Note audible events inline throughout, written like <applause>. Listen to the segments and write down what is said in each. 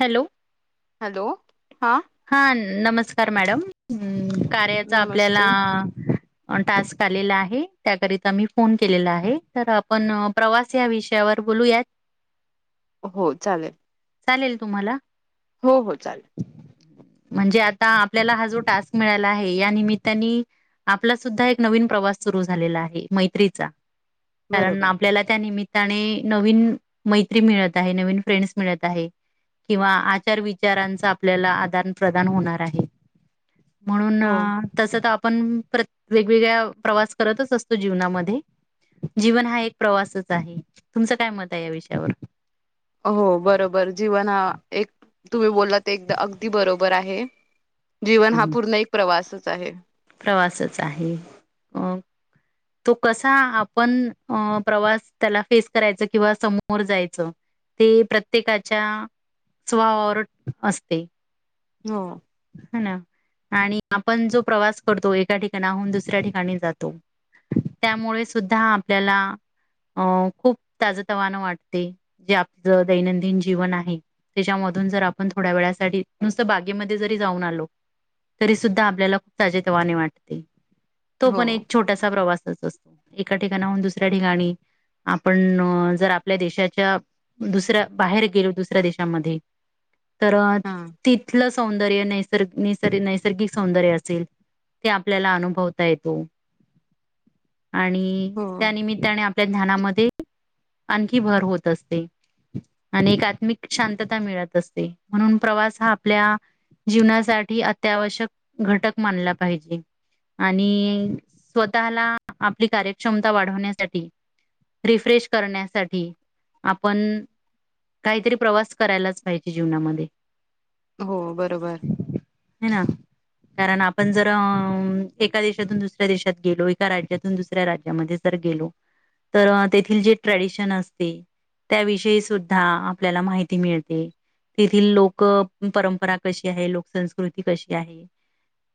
Hello. Hello. हा. हा नमस्कार मॅडम, कार्याचा नमस्ते आपल्याला टास्क आलेला आहे. त्याकरिता मी फोन केलेला आहे, तर आपण प्रवा त्या विषयावर बोलूयात. हो चालेल. चालेल तुम्हाला? हो, हो चालेल. म्हणजे आता आपल्याला हा जो टास्क मिळाला आहे, या निमित्तानी आपला सुद्धा एक नवीन प्रवास सुरू झालेला आहे मैत्रीचा, कारण बरोबर आपल्याला त्या निमित त्याने नवीन मैत्री मिळत आहे, नवीन फ्रेंड्स मिळत आहे. किंवा आचार विचारांचा आपल्याला आदान -प्रदान होणार आहे. म्हणून हो तस तर आपण प्रत वेगवेगळ्या प्रवास करतच असतो जीवनामध्ये. जीवन हा एक प्रवासच आहे, तुमचं काय मत आहे या विषयावर? हो बरोबर, जीवन हा एक तुम्ही बोलला ते एकदा अगदी बरोबर आहे. जीवन हं, हा हं. पूर्ण एक प्रवासच आहे. प्रवासच आहे. म तो कसा आपण अ, प्रवास त्याला फेस करायच किंवा समोर जायचं. ते प्रत्येकाच्या स्भवावर असते. हो. हं नां आणि आपणं जो प्रवांस करतो एकां ठिकांणाहूंन दुसऱ्यां ठिकांणी जातो त्यामुळें सुद्धां आपल्यांला अं खूंप ताजं तवानं वाटते जे आपलं दैनंदिन जीवन आहे त्यांच्यामधूंन जरं आपणं थोड्या वेळांसाठी नुसतं बागेमध्यें जरी जाऊंन आलो तरी सुद्धां आपल्यांला खूंप ताजं ते वाणे वाटतें तो हो पणं एक छोटांसा प्रवांसच असतो एकां ठिकाणांहून दुसऱ्यां ठिकाणीं आपणं जरं आपल्या देशांच्या दुसऱ्यां बाहेर गेलो दुसऱ्यां देशांमध्यें तरं नं हा तिथलं सौंदर्य नाहीं निसर्ग नैसर्गिक सौंदर्य असेल ते आपल्यांला अनुभवता येतो आणि हो त्यांनिमित्ताने आपल्या ज्ञानांमध्यें आणखी भरं होतं असते आणि एक आत्मिक शांतता मिळतं असते म्हणूनचं प्रवांस हां आपल्या! जीवनांसाठी अत्यांआवश्यक घटंक मानलां पाहिजे आणि स्वंतः लां आपली कार्यक्षमतां वाढवण्यांसाठी रिफ्रेश करण्यांसाठी आपणं कांहींतरी प्रवांस करांयलाचं पाहिजे जीवनांमध्यें हो बरोबर हं नां कारणं आपणं जरं एकां देशांतून दुसरं देशांत गेलो एकां राज्यांतून दुसऱ्यां राज्यांमध्ये जरं गेलो तरं तेथील जे ट्रेडिशन असते त्यांविषयी सुद्धां आपल्यांला माहिती मिळते. तेथील लोकं परंपरा कशी आहे लोकंसंस्कृती कशी आहे.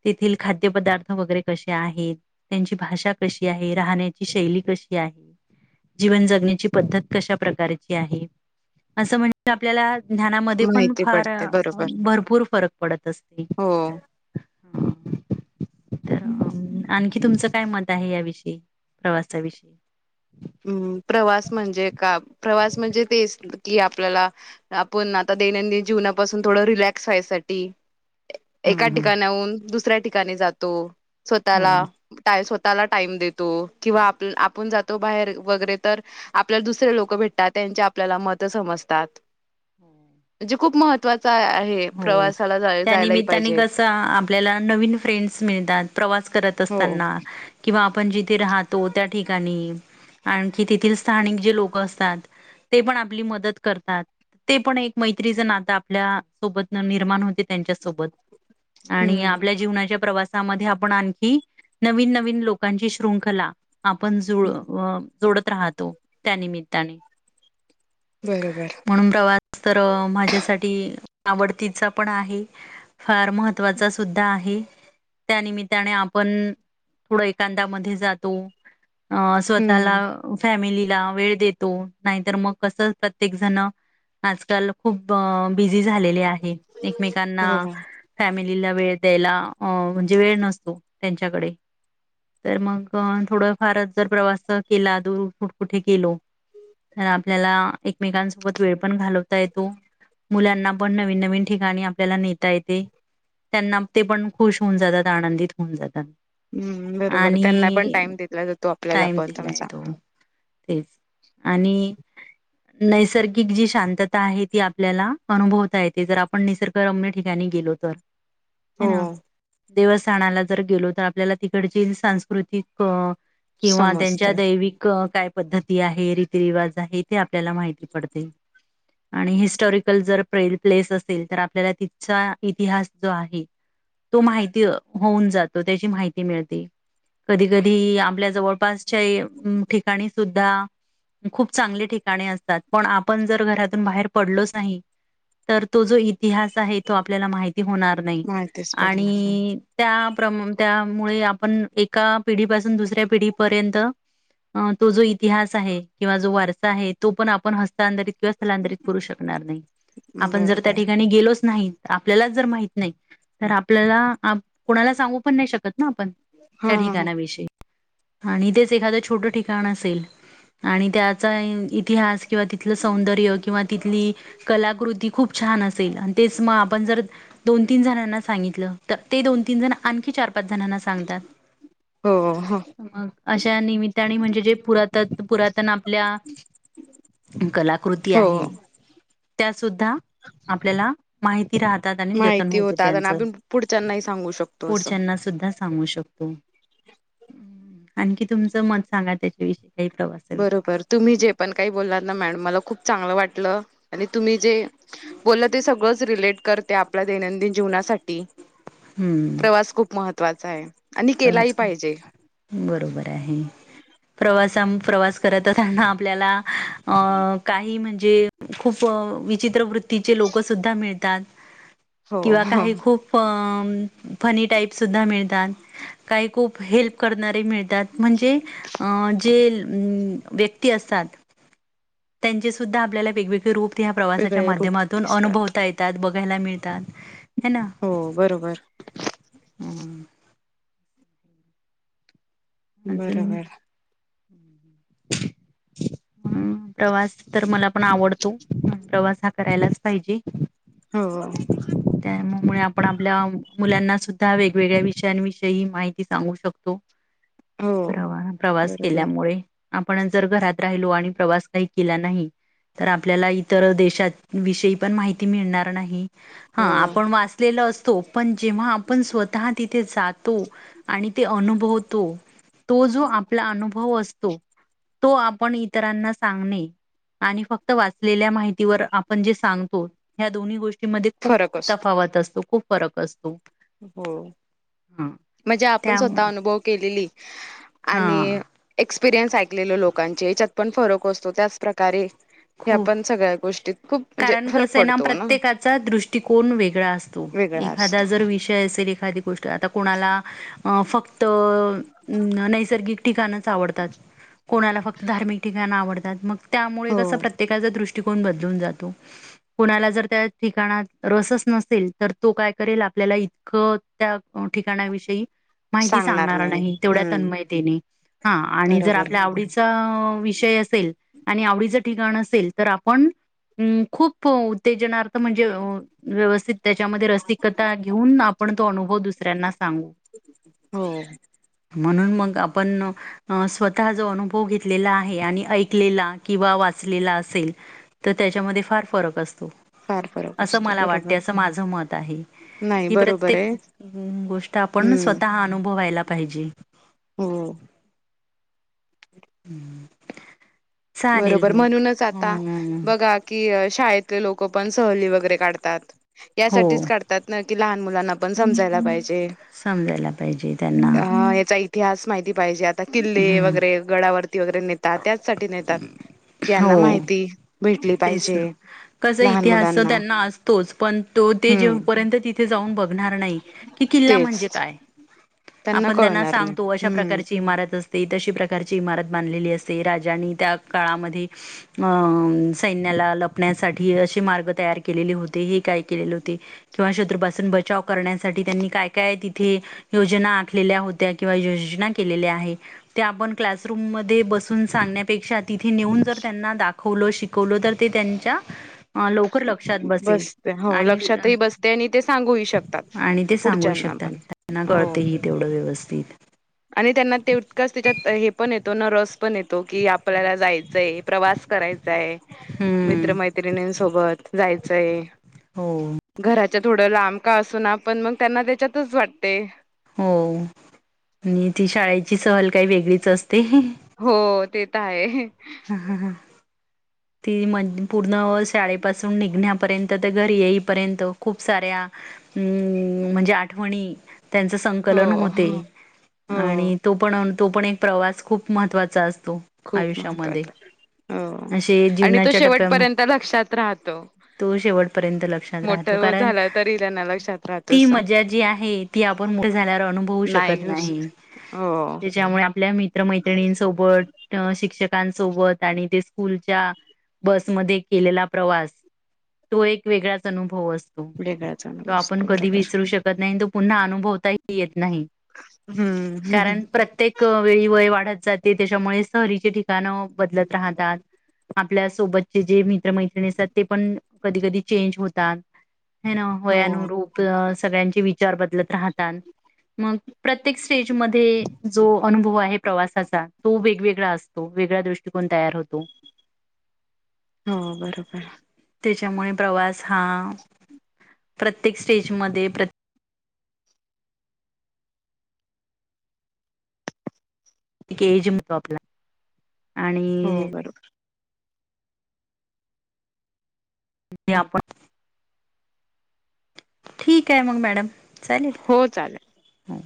तेथील खांद्यपदार्थ वगैरें कसे आहेतं. त्यांची भाषा कशी आहे राहण्यांची शैली कशी आहे. जीवन जगण्यांची पद्धतं कश्या प्रकारचीं आहे असं म्हणजे आपल्यांला ज्यांना मध्यें पणं माहिती फांर पडते बरोबर भरंपूर फरंक पडतं असते. हो अं हं आणंखी तुमचं कायं मतं आहे यांविषयी प्रवासांविषयी हम्मं प्रवांस म्हणजे कां प्रवांस म्हणजे तेचं कि आपल्यांला आपणं आंता दैनंदिन जीवनांपासूंन थोडं रिलॅक्स व्हांयसाठी एकां हम्म हम्म ठिकाणांहून दुसऱ्यां ठिकांणी जातो हो. स्वंतःलां स्वंतःलां टाईम देतो किंवा आप आपणं जातो. बाहेर वगैरें तरं आपल्यांला दुसरे लोकं भेटतांत त्यांचे आपल्यांला मतं समजतांत. म्हणजे खूंप महत्वांचा आहे प्रवासांला त्यां निमित्तांने कसं आपल्यांला नवीन फ्रेंडस मिळतांत प्रवांस करतं हो असतांना. किंवा आपणं जिथे राहतो त्यां ठिकाणीं. आणंखी तेथील स्थानिक जे लोकं असतांत. ते पणं आपली मंदत करतांत ते पणं एक मैत्रीचं नातं आपल्या सोबतं निर्माण होते त्यांच्या सोबतं आणि हम्म आपल्या जीवनांच्या प्रवांस आपणं आंणखी नवीन नवीन लोकांची श्रृंखला आपणं जुंळ जोडतं राहतो त्यां निमित्यांने बरोबर म्हणूंन प्रवांस तरं माझ्यांसाठी आवडतीच पणं आहे. फांर महत्त्वांच सुद्धां आहे. त्यां निमित्यांने आपणं थोडं एकांतायांमध्यें जातो. अ स्वतःला हम्म फॅमिलीला वेळ देतो. नाहीतर मग कसं प्रत्येक जण आजकाल खूप बिझी झालेले आहे. एकमेकांना हो फॅमिलीला वेळ द्यायला, अ म्हणजे वेळ नसतो. त्यांच्याकडे. तर मग थोड फारच जर प्रवास केला. दूर कुठ कुठे गेलो तर आपल्याला एकमेकांसोबत वेळ पण घालवता येतो. मुलांना पण नवीन नवीन ठिकाणी आपल्याला नेता येते. त्यांना ते पण खुश होऊन जातात. आनंदित होऊन जातात. हम्म बरोबर. त्यांना पण आणि टाइम देतला जातो. आपल्याला टाइम पण दिलाय त्या़ंनचा. तो तेच. आणि नैसर्गिक जी शांतता आहे ती आपल्याला. अनुभवता येते. जर आपण निसर्गरम्य ठिकाणी गेलो तर. हो ना. देवस्थानाला जर गेलो. तर आपल्याला तिकडची सांस्कृतिक किंवा त्यांच्या समजतय दैविक काय? पद्धती आहे. रिती रिवाज ते आपल्याला माहिती पडते. आणि हिस्टरी जर प्रेल प्लेस असतील. तर आपल्याला तिथचा इतिहास जो आहे. तो माहिती होऊन जातो. त्याची माहिती मिळते. कधी कधी आपल्या जवळपासच्या ठिकाणी सुद्धा खूप चांगले ठिकाणे असतात. पण आपण जर घरातून बाहेर पडलोच नाही. तर जो तो इतिहास आहे. तो आपल्याला माहिती होणार नाही. माहितीच पडणार नाही. आणि तर त्यामुळे आपण एका पिढीपासून दुसऱ्या पिढीपर्यंत अ तो जो इतिहास आहे. किंवा वारसा आहे. तो पण आपण हस्तांतरित किंवा स्थलांतरित करू शकणार नाही. आपण जर त्या बरोबर ठिकाणी गेलोच नाही. आपल्यालाच जर माहित नाही. तर आपल्याला कुणाला सांगू पण नाही शकत ना आपण. हा त्या ठिकाणाविषयी. आणि तेच एखाद छोट ठिकाण असेल. आणि त्याचा इतिहास, किंवा तिथलं सौंदर्य, किंवा तिथली कलाकृती खूप छान असेल. आणि मग तेच आपण जर दोन-तीन जणांना सांगितलं. तर ते दोन-तीन जण आणखीन चार-पाच जणांना सांगतात. हो हो हो. मग अशा निमित्ताने म्हणजे जे पुरातत पुरा तन आपल्या कलाकृती आहे. हो त्या सुद्धा आपल्याला माहिती राहतात. आणि जतन माहिती होते होतात आणि त्यांच. आपण पुढच्यांनाही सांगू शकतो असं. पुढच्याना सुद्धा सांगू शकतो. आणखी तुमचं मत सांगा त्याच्या विषयी का. ही प्रवासा विषयी. बरोबर तुम्ही जे पण काही बोलला ना मॅडम, मला खूप चांगलं वाटलं. आणि तुम्ही जे बोलते सगळच रिलेट करते. आपल्या दैनंदिन जीवनासा ठी. प्रवास खूप महत्त्वाचाय. आज. बरोबर आहे. प्रवासाम प्रवास करताना आपल्याला अ काही म्हणजे खूप अ विचित्र वृत्तीचे लोक सुद्धा मिळतात. हो किंवा हो. काही खूप प फनी टाईप सुद्धा मिळतात. <inaudible> काही खूप हेल्प करणारे मिळतात. म्हणजे अ जे हम्म व्यक्ती असतात. त्यांचे सुद्धा आपल्याला वेगवेगळे रूप या प्रवासाच्या वेगळे रूप माध्यमातून दिसतात अनुभवत येत. त्यात बघायला मिळतात, हाय ना. हो बरोबर. हम्म. बरोबर. हम्. <inaudible> प्रवास तर मला पण आवडतो प्रवास हा करायलाच पाहिजे. हो. त्यामुळ आपण आपल्या मुलांना सुद्धा वेगवेगळ्या विषयांविषयी माहिती ती सांगू शकतो, हो. प्रवास प्रवास बरोबर केल्यामुळे आपणच जर घरात राहिलो आणि प्रवास काही केला नाही तर आपल्याला इतर देशात विषयी पण माहिती मिळणार नाही हा हो आपण वास्त <unintelligible> असतो पण जेव्हा आपण स्वतः तिथे जातो आणि ते अनुभवतो तो जो आपला अनुभव असतो तो आपण इतरांना सांगणे आणि फक्त वाचलेल्या माहितीवर आपण जे सांगतो या दोन्ही गोष्टी मध्ये फरक असतो तफावत असतो खूप फरक असतो. हो हा म्हणजे आपण त्या स्वतः अनुभव केलेली. हा आणि एक्सपिरीयन्स ऐकलेलं लोकांचे याच्यात पण फरक असतो त्याच प्रकारे ह्या खूप, पण सगळ्या गोष्टीत खूप म्हणजे कारण फरक कसं आहे ना पडतो प्रत्येकाचा दृष्टिकोन वेगळा अ वेगळा एखादा असतो जर विषय असेल एखादी गोष्ट आता कोणाला फक्त नैसर्गिक ठिकाणच च आवडतात कोणाला फक्त धार्मिक ठिकाण आवडतात मग त्यामुळे हो कस त्याचा दृष्टीकोन बदलून जातो. कुणाला जर त्या ठिकाणात रसच नसेल तर तो काय करेल आपल्याला इ ख त्या ठिकाण्या विषयी माहिती सांगणार नाही तेवढ्या तन्मय <unintelligible> हा आणि जर बरोबर आपल्या आवडीच त विषय असेल येईल आणि आवडी ठिगाण असेल तर आपण, हम्म खूप तेजणार्थ म्हणजे व्यवस्थित त्याच्यामध्ये रसिकता घेऊन आपण तो अनुभव दुसऱ्यांना सांगू. हो. म्हणून मग आपण अ स्वतः जो अनुभव घेतलेला आहे आणि ऐकलेला किंवा वा चलेला असेल तर त्याच्यामध्ये फार फरक असतो. फार फरक असं असतो मला बरोबर वाटते असं माझं मत आहे. नाही ही बरोबर प्रत्येक आहे गोष्ट आपण हम्म स्वतः अनुभवायला पाहिजे. हो. <inaudible> चालेल बरोबर मग म्हणूनच आता हम्म बघा कि शाळेतले लोक पण सहली वगैरे काढतात हो यासाठीच काढ तात की लहान मुलांना पण समजायला पाहिजे समजायला पाहिजे त्यांना अ याचा <unintelligible> माहिती पाहिजे आता किल्ले हम्म वगैरे गडावरती वगैरे नेतात त्याचसाठी नेतात. की यांना होव माहिती भेटली तेस पाहिजे कस लहान इतिहास मुलांना त्यांना अस तोच पण तो ते हम्म जेव पर्यंत तिथे जाऊन बघणार नाही की किल्ला म्हणजे तेच काय? आपण त्यांना कळणार नाही. सांगतो अशा हम्म प्रकारची इमारत अस ते तशी प्रकारची इमारत बांधलेली असते राजांनी त्या काळामध्ये. अ सैन्याला लपण्यासाठी अशी मार्ग तयार केलेले होते हे काय केलेले होते. किंवा शत्रुपासून बचाव करण्यासाठी त्यांनी काय काय तिथे योजना आखलेल्या होत्या, किंवा योजना केलेल्या आहे. ते आपण क्लासरूम मध्ये बसून सांगण्यापेक्षा तिथे नेऊन. जर त्यांना दाखवलो शिकवलो तर ते त्यांच्या अ लवकर लक्षात बसेल, बसते हो आणि-आणि लक्षातही बसते आणि ते सांगूही शकतात ते सांगूही पुढच्यांना शकतात. पण त्यांना हो कळतही तेवढं व्यवस्थित. आणि त्यांना तितकाच त्याच्यात हे पण येतो न रस पण येतो की आपल्याला जायचंय. प्रवास करायचाय हम्म मित्रमैत्रिणींसोबत जायचंय. हो! घराच्या थोडं लांब का असना पण मग त्यांना त्याच्यातच वाटते. हो नी ती शाळेची सहल काही वेगळीच असते. हो ते त आहे. हा हा हा! ती म पूर्ण शाळेपासून निघण्यापर्यंत त घरी येईपर्यंत खूप साऱ्या हूं म्हणजे आठवणी त्यांच हो संकलन होते हो आणि तो पण तो पन एक प्रवास खूप महत्त्वाचा असतो. खूप आयुष्यामध्ये महत्वाचा हो असे आणि तो जीवनाच्या टप्प्यामध्ये शेवटपर्यंत लक्षात राहतो. तो शेवटपर्यंत लक्षात मोठ राहतो कारण झाला तरी त्यांना लक्षात राहतो ती असं मजा जी आहे. ती आपण मोठे झाल्यावर अनुभवू शकत नाही हो त्याच्यामुळे आपल्या मि त्र मैत्रिणीं सोबत अ शिक्षक कांसोबत आणि ते स्कूलच्या बसमध्ये केलेला प्रवास. तो एक वेगळाच अनुभव असतो वेगळाच तो अनुभव आपण असतो कधी बरोबर विसरू शक कत नाही अन तो पुन्हा अनुभवताही येत नाही हम्म कारण प्रत्येक क वेळी वय वाढत जाते, त्याच्यामुळे सहलीचे ठिक कान बदलत राहतात, आपल्या सोबतचे जे मित्र मैत्रिणी असतात ते पण कधी कधी चेंज होतात, आहे ना हो वयानुरूप सगळ्यांचे वि चार बदलत राहतांन मग प्रत्येक स्टेजमध्ये जो अनुभव आहे प्रवासाचा तो वेगवेगळा असतो, वेगळा दृष्टिकोन तयार होतो. हो बरोबर. त्याच्यामुळे प्रवास हा प्रत्येक स्टेजमध्ये प्र एक एज म्हणू आपला. हो आणि बरोबर. ते आपण ठीक आहे मग मॅडम चालेल? हो चालेल. हो.